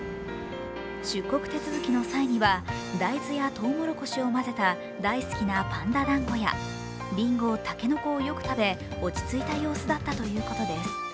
出国手続きの際には大豆やとうもろこしを混ぜた大好きなパンダ団子やりんご、竹の子をよく食べ落ち着いた様子だったということです。